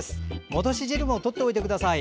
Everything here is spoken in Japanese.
戻し汁もとっておいてください。